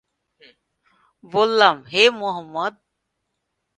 বললাম, হে মুহাম্মদ!